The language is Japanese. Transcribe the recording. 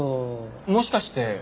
もしかして。